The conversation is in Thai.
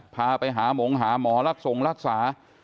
พาไปหามงหาหมอลักษรงนักรักษา